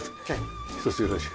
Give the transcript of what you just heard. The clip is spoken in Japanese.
一つよろしく。